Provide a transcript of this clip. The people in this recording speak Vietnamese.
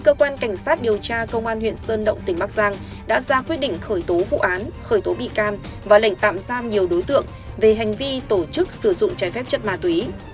cơ quan cảnh sát điều tra công an huyện sơn động tỉnh bắc giang đã ra quyết định khởi tố vụ án khởi tố bị can và lệnh tạm giam nhiều đối tượng về hành vi tổ chức sử dụng trái phép chất ma túy